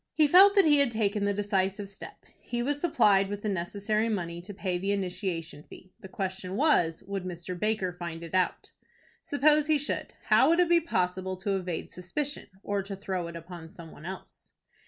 He felt that he had taken the decisive step. He was supplied with the necessary money to pay the initiation fee. The question was, would Mr. Baker find it out? Suppose he should, how would it be possible to evade suspicion, or to throw it upon some one else?